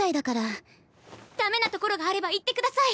ダメなところがあれば言って下さい！